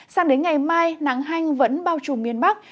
sang đến ngày mai nắng hanh vẫn bao trùm miền bắc